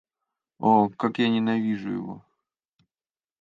О, как я ненавижу его!